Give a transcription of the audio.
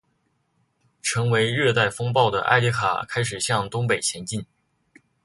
成为热带风暴的埃里卡开始向东北前进。